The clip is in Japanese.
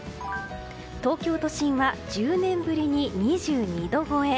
東京都心は１０年ぶりに２２度超え。